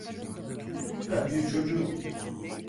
Ben bir çocuğum.